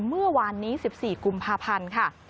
เมื่อวานนี้๑๔กุมภาพันธ์ค่ะ